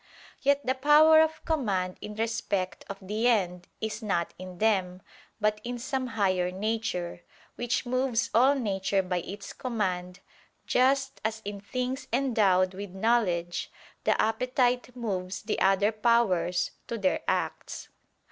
Yet the power of command in respect of the end is not in them, but in some higher nature, which moves all nature by its command, just as in things endowed with knowledge, the appetite moves the other powers to their acts.